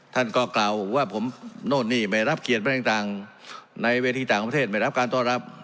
ท่านก็กล่าวว่าผมโน่นนี่ไม่รับเขียนไปต่างในเวทีต่างประเทศไม่รับการต้อนรับ